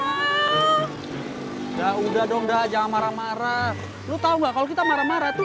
udah dong dah jangan marah marah lu tahu nggak kalau kita marah marah tuh